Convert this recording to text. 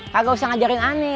kagak usah ngajarin aneh